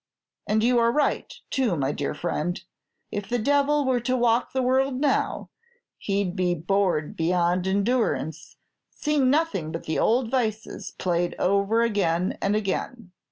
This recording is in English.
And you are right too, my dear friend; if the devil were to walk the world now, he 'd be bored beyond endurance, seeing nothing but the old vices played over again and again.